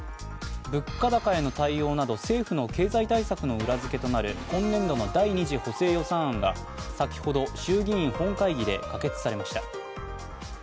物価高への対応など、政府の経済対策の裏づけとなる今年度の第２次補正予算案が先ほど衆議院本会議で可決されました。